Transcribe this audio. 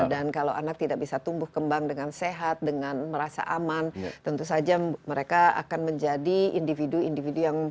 dan kalau anak tidak bisa tumbuh kembang dengan sehat dengan merasa aman tentu saja mereka akan menjadi individu individu yang penting